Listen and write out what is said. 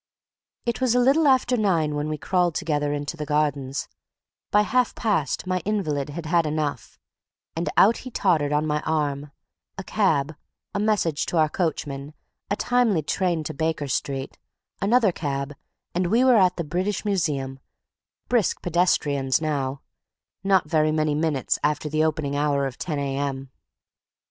It was little after nine when we crawled together into the gardens; by half past my invalid had had enough, and out he tottered on my arm; a cab, a message to our coachman, a timely train to Baker Street, another cab, and we were at the British Museum—brisk pedestrians now—not very many minutes after the opening hour of 10 A.M.